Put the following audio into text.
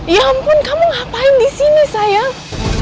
ya ampun kamu ngapain disini sayang